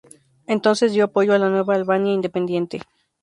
Entonces dio apoyo a la nueva Albania independiente.